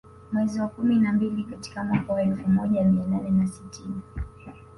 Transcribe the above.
Mwezi wa kumi na mbili katika mwaka wa elfu moja mia nane na sitini